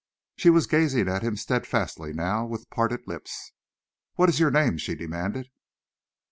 She was gazing at him steadfastly now, with parted lips. "What is your name?" she demanded.